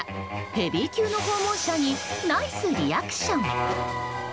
ヘビー級の訪問者にナイスリアクション。